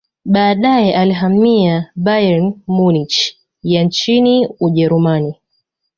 baadae alihamia Bayern Munich ya nchini ujerumani